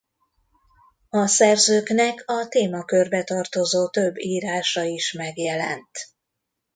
A szerzőknek a témakörbe tartozó több írása is megjelent.